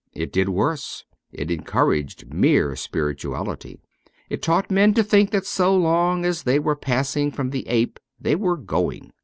It did worse : it encouraged mere spirituality. It taught men to think that so long as they were passing from the ape they were going.